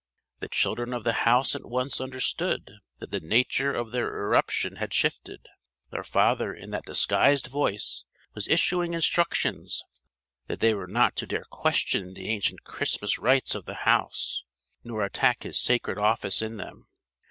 The children of the house at once understood that the nature of their irruption had shifted. Their father in that disguised voice was issuing instructions that they were not to dare question the ancient Christmas rites of the house, nor attack his sacred office in them.